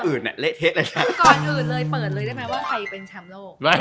ก่อนอื่นเลยเปิดเลยได้ไหมว่าใครเป็นชำโลก